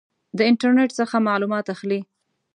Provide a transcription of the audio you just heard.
د انټرنټ څخه معلومات اخلئ؟